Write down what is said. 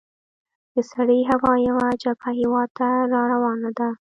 د سړې هوا یوه جبهه هیواد ته را روانه ده.